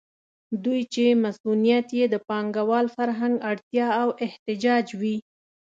دوی چې مصونیت یې د پانګوال فرهنګ اړتیا او احتیاج وي.